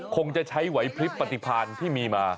คงจะใช้ไหวพลิบปฏิพันธ์ที่มีมา